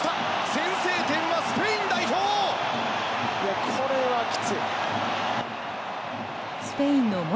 先制点はスペイン代表！